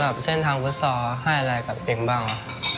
สำหรับเช่นทางพุทธศาสตร์ให้อะไรกับเอ็งบาง